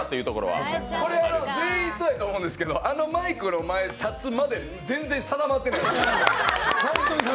全員そうやと思うんやけど、あのマイクの前に立つまで全然定まってないです。